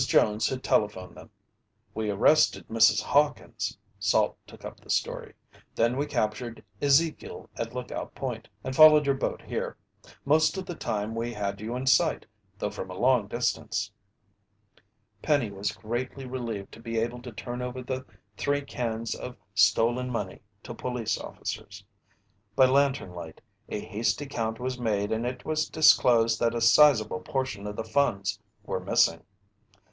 Jones had telephoned them." "We arrested Mrs. Hawkins," Salt took up the story. "Then we captured Ezekiel at Lookout Point, and followed your boat here. Most of the time we had you in sight, though from a long distance." Penny was greatly relieved to be able to turn over the three cans of stolen money to police officers. By lantern light a hasty count was made and it was disclosed that a sizeable portion of the funds were missing.